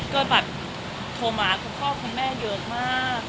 ก็แบบโทรมาคุณพ่อคุณแม่เยอะมาก